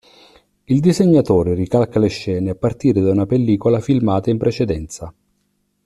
Il disegnatore ricalca le scene a partire da una pellicola filmata in precedenza.